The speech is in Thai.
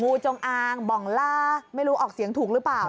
จงอางบ่องล่าไม่รู้ออกเสียงถูกหรือเปล่า